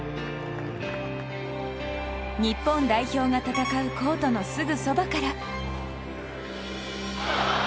日本代表が戦うコートのすぐそばから。